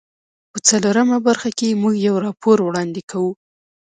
په څلورمه برخه کې موږ یو راپور وړاندې کوو.